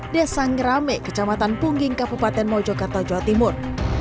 desa ngerame kecamatan pungging kabupaten mojokerto jawa timur